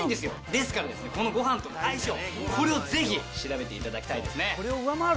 ですからですね、このごはんとの相性、これをぜひ調べていただきたいですね。